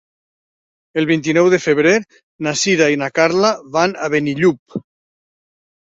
El vint-i-nou de febrer na Sira i na Carla van a Benillup.